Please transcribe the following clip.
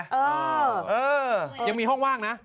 เออยังมีห้องว่างนะ